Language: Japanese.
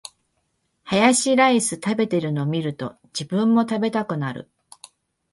ハヤシライス食べてるの見ると、自分も食べたくなる